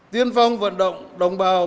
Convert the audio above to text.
tiên phong vận động đồng bào